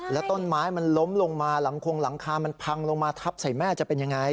แล้วต้นไม้มันล้มลงมาหลังคงหลังคามันพังลงมาทับใส่แม่จะเป็นยังไง